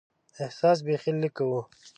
احساس بیخي لږ کوو.